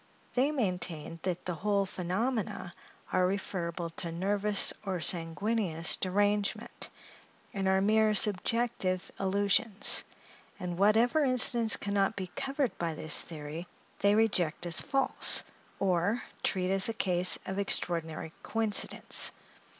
They maintain that the whole phenomena are referrible to nervous or sanguineous derangement, and are mere subjective illusions; and whatever instance can not be covered by this theory, they reject as false, or treat as a case of extraordinary coincidence.